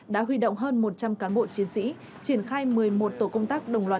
đã huy động hơn một trăm linh cán bộ chiến sĩ triển khai một mươi một tổ công tác đồng loạt